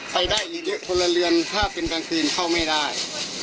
ไปได้อีกเยอะคนละเรือนถ้าเป็นกลางคืนเข้าไม่ได้